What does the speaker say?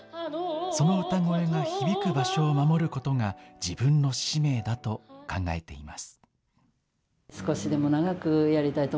その歌声が響く場所を守ることが、自分の使命だと考えています。